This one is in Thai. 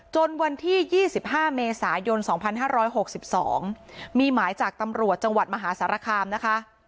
วันที่๒๕เมษายน๒๕๖๒มีหมายจากตำรวจจังหวัดมหาสารคามนะคะ